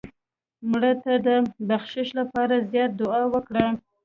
مړه ته د بخشش لپاره زیات دعا وکړه